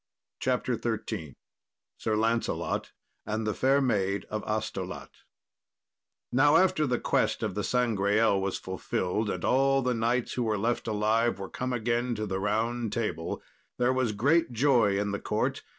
CHAPTER XIII Sir Lancelot and the Fair Maid of Astolat Now after the quest of the Sangreal was fulfilled and all the knights who were left alive were come again to the Round Table, there was great joy in the court.